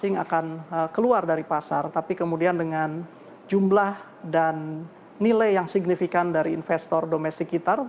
jadi ini tidak hanya akan keluar dari pasar tapi kemudian dengan jumlah dan nilai yang signifikan dari investor domestik kita